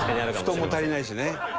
布団も足りないしね。